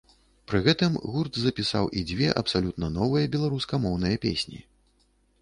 Пры гэтым гурт запісаў і дзве абсалютна новыя беларускамоўныя песні.